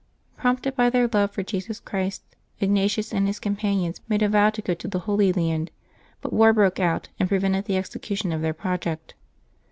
Prompted by their love for Jesus Christ, Ignatius and his companions made a vow to go to the Holy Land, but war broke out, and prevented the execution of their project.